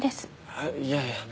あっいやいや。